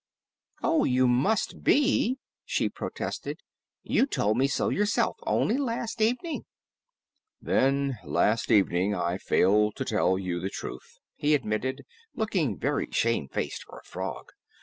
"Oh, you must be!" she protested. "You told me so yourself, only last evening." "Then last evening I failed to tell you the truth," he admitted, looking very shamefaced for a frog.